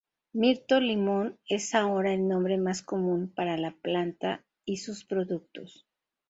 Mirto limón es ahora el nombre más común para la planta y sus productos.